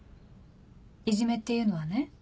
いじめっていうのはね